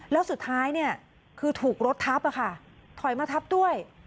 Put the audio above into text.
แล้วสุดท้ายคือถูกรถทับค่ะถอยมาทับด้วย